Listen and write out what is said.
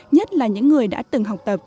nhất là những người đã từng học tập